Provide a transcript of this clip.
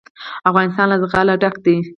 افغانستان له زغال ډک دی.